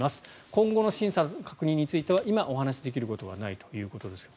今後の審査確認については今、お話しできることはないということですが。